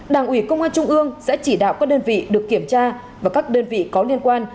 đảng ủy công an trung ương sẽ chỉ đạo các đơn vị được kiểm tra và các đơn vị có liên quan